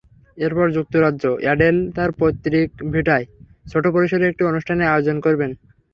এরপর যুক্তরাজ্যে অ্যাডেল তাঁর পৈতৃক ভিটায় ছোট পরিসরে একটি অনুষ্ঠানের আয়োজন করবেন।